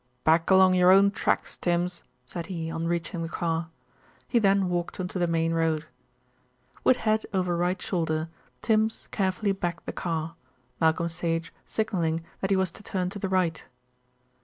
"Back along your own tracks, Tims," said he on reaching the car. He then walked on to the main road. With head over right shoulder, Tims carefully backed the car, Malcolm Sage signalling that he was to turn to the right.